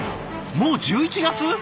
もう１１月？